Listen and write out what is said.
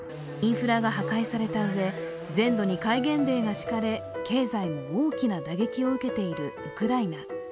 インフラが破壊されたうえ、全土に戒厳令が敷かれ経済も大きな打撃を受けているウクライナ。